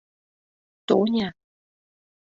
Тоня!